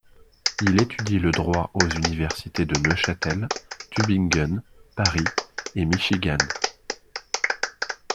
Il étudie le droit aux universités de Neuchâtel, Tübingen, Paris et Michigan.